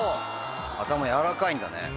頭柔らかいんだね。